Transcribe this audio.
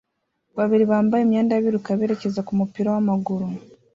babiri bambaye imyenda biruka berekeza kumupira wamaguru